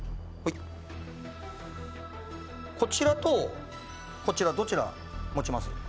こちらと、こちらどちら持ちます？